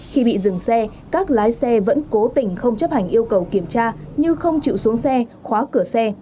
khi bị dừng xe các lái xe vẫn cố tình không chấp hành yêu cầu kiểm tra như không chịu xuống xe khóa cửa xe